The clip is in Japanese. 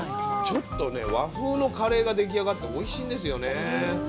ちょっとね和風のカレーが出来上がっておいしいんですよね。